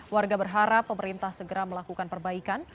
warga berharap pemerintah segera melakukan perbaikan